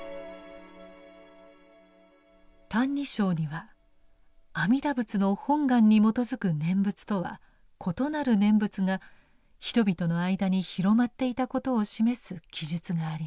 「歎異抄」には阿弥陀仏の本願に基づく念仏とは異なる念仏が人々の間に広まっていたことを示す記述があります。